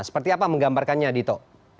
seperti apa menggambarkannya dito